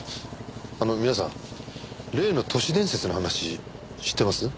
あの皆さん例の都市伝説の話知ってます？